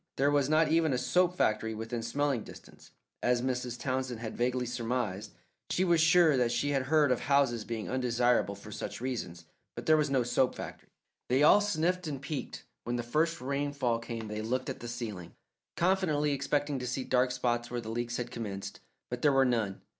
There was not even a soap factory within smelling distance, as Mrs. Townsend had vaguely surmised. She was sure that she had heard of houses being undesirable for such reasons, but there was no soap factory. They all sniffed and peeked; when the first rainfall came they looked at the ceiling, confidently expecting to see dark spots where the leaks had commenced, but there were none.